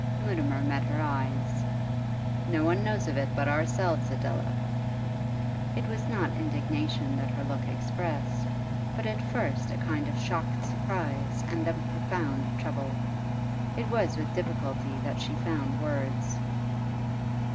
Mutimer met her eyes. 'No one knows of it but ourselves, Adela.' It was not indignation that her look expressed, but at first a kind of shocked surprise and then profound trouble. It was with difficulty that she found words.